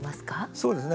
そうですね。